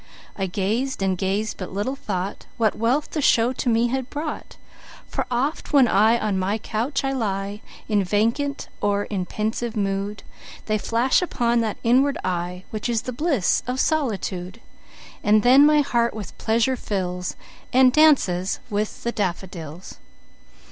I gazed, and gazed, but little thoughtWhat wealth the show to me had brought:For oft, when on my couch I lieIn vacant or in pensive mood, They flash upon that inward eyeWhich is the bliss of solitude; And then my heart with pleasure fills, And dances with the daffodils.